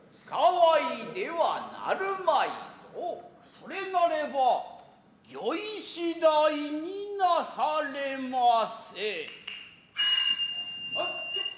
それなれば御意次第になされませ。